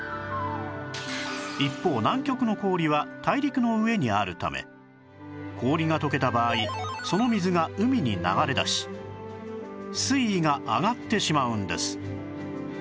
一方南極の氷は大陸の上にあるため氷が溶けた場合その水が海に流れ出し水位が上がってしまうんです